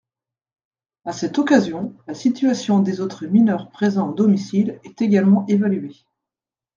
À cette occasion, la situation des autres mineurs présents au domicile est également évaluée.